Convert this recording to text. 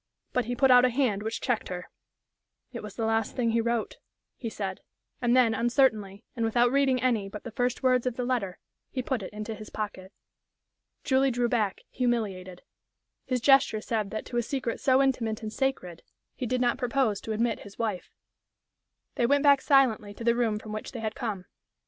But he put out a hand which checked her. "It was the last thing he wrote," he said; and then, uncertainly, and without reading any but the first words of the letter, he put it into his pocket. Julie drew back, humiliated. His gesture said that to a secret so intimate and sacred he did not propose to admit his wife. They went back silently to the room from which they had come.